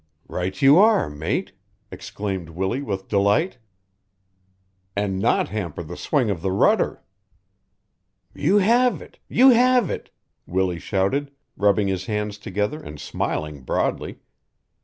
"Right you are, mate!" exclaimed Willie with delight. "And not hamper the swing of the rudder." "You have it! You have it!" Willie shouted, rubbing his hands together and smiling broadly.